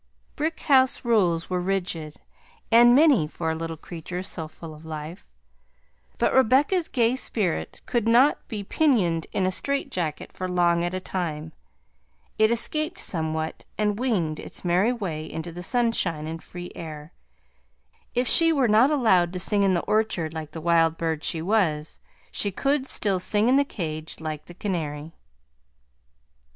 Brickhouse rules were rigid and many for a little creature so full of life, but Rebecca's gay spirit could not be pinioned in a strait jacket for long at a time; it escaped somehow and winged its merry way into the sunshine and free air; if she were not allowed to sing in the orchard, like the wild bird she was, she could still sing in the cage, like the canary.